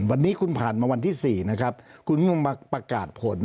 วันนี้คุณผ่านมาวันที่๔นะครับคุณต้องมาประกาศผล